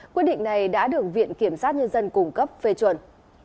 quyết định này đã được viện kiểm sát nhân dân cung cấp phê chuẩn